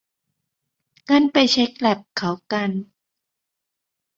งั้นไปเช็คแลปเขากัน